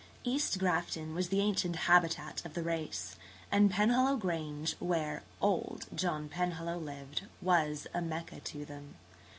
East Grafton was the ancient habitat of the race, and Penhallow Grange, where "old" John Penhallow lived, was a Mecca to them.